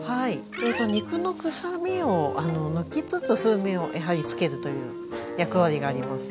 肉のくさみを抜きつつ風味をつけるという役割があります。